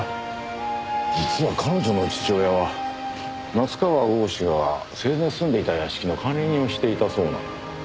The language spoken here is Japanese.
実は彼女の父親は夏河郷士が生前住んでいた屋敷の管理人をしていたそうな。